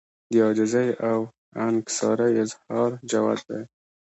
د عاجزۍاو انکسارۍ اظهار جوت دی